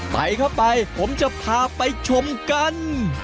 ไปเข้าไปผมจะพาไปชมกัน